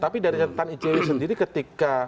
tapi dari kata tan icewi sendiri ketika